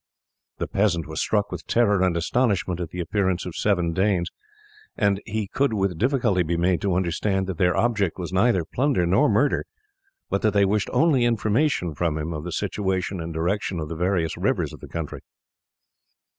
The peasant was struck with terror and astonishment at the appearance of seven Danes; and he could with difficulty be made to understand that their object was neither plunder nor murder, but that they wished only information from him of the situation and direction of the various rivers of the country.